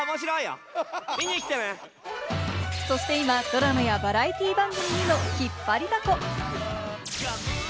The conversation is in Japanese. そして今、ドラマやバラエティー番組にも引っ張りだこ。